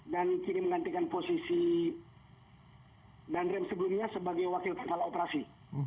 dan kini menggantikan posisi dan rem sebelumnya sebagai wakil kapal operasi